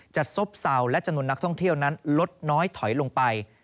ซบเศร้าและจำนวนนักท่องเที่ยวนั้นลดน้อยถอยลงไป